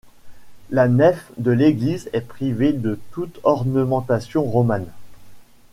La nef de l'église est privée de toute ornementation romane.